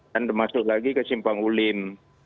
dan termasuk lagi ke simpang ulim